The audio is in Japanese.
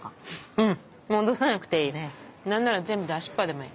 うん戻さなくていい何なら全部出しっぱでもいい。